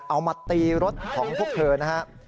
เอามาตีรถของพวกเธอนะครับ